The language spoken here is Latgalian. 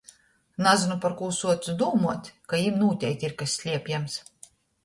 Nazyn parkū suocu dūmout, ka jim nūteikti ir kas sliepams!